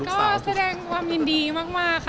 ก็แสดงความยินดีมากค่ะ